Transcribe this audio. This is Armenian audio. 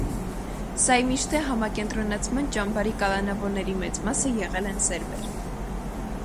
Սայմիշտե համակենտրոնացման ճամբարի կալանավորների մեծ մասը եղել են սերբեր։